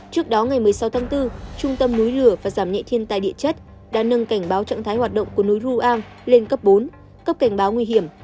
trước đó ngày một mươi sáu tháng bốn trung tâm núi lửa và giảm nhẹ thiên tài địa chất đã nâng cảnh báo trạng thái hoạt động của núi rua am lên cấp bốn cấp cảnh báo nguy hiểm